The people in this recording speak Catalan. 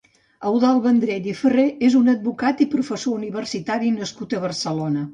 Eudald Vendrell i Ferrer és un advocat i professor universitari nascut a Barcelona.